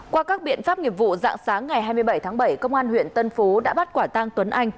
qua các biện pháp nghiệp vụ dạng sáng ngày hai mươi bảy tháng bảy công an huyện tân phú đã bắt quả tang tuấn anh